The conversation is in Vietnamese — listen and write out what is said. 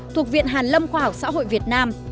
thuộc viện hàn lâm khoa học xã hội việt nam